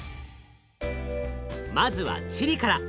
まずはチリから。